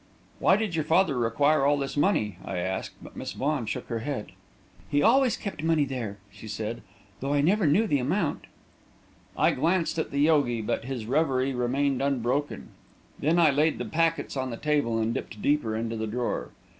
"Why did your father require all this money?" I asked, but Miss Vaughan shook her head. "He always kept money there," she said, "though I never knew the amount." [Illustration: "Oh, Master, receive me!"] I glanced at the yogi, but his revery remained unbroken. Then I laid the packets on the table and dipped deeper into the drawer.